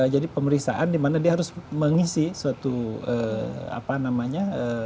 jadi pemeriksaan dimana dia harus mengisi suatu apa namanya